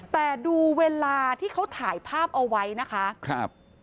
แต่ดูเวลาที่เขาถ่ายภาพเอาไว้นะคะครับ